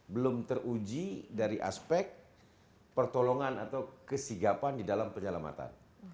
belum teruji dari aspek pertolongan atau kesigapan di dalam penyelamatan